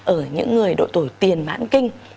ở những người đội tuổi tiền mãn kinh